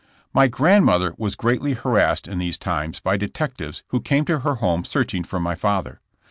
My grandmother was greatly harassed in these times by detectives who came to her home searching for my father.